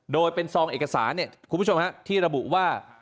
โดยเป็นซองเอกสารเนี่ยคุณผู้ชมที่ระบุว่า